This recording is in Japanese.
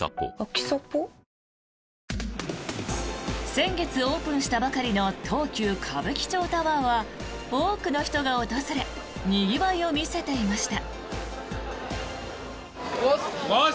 先月オープンしたばかりの東急歌舞伎町タワーは多くの人が訪れにぎわいを見せていました。